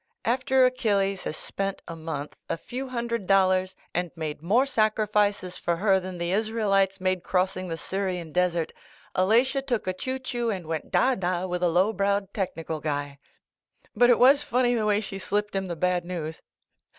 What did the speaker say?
After Achilles has spent a month, a few hundred dollars, and made more sacrifices for her than the Israelites made crossing the Syrian desert. Alatia took a choo choo and went da da with a low browed tech nical guy. But it was funny the way she slipped him the bad news